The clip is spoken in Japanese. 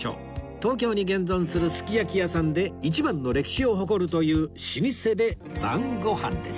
東京に現存するすき焼き屋さんで一番の歴史を誇るという老舗で晩ご飯です